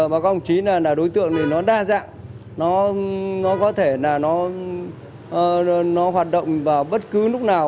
bà công chí nói là đối tượng này nó đa dạng nó có thể là nó hoạt động vào bất cứ lúc nào